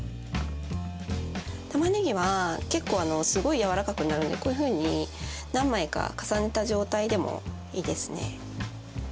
たまねぎは結構すごいやわらかくなるんでこういうふうに何枚か重ねた状態でもいいですね。